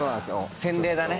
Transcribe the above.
洗礼だね。